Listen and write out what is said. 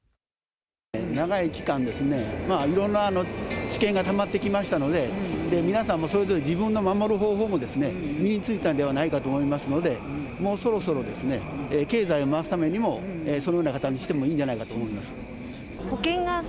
長い期間、いろんな知見がたまってきましたので、皆さんもそれぞれ自分の守る方法も身についたんではないかと思いますので、もうそろそろですね、経済を回すためにも、そのような形にしてもいいんじゃないかなと思います。